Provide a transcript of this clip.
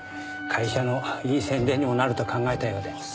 会社のいい宣伝にもなると考えたようで。